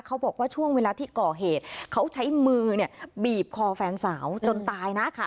เขาบอกว่าช่วงเวลาที่ก่อเหตุเขาใช้มือเนี่ยบีบคอแฟนสาวจนตายนะค่ะ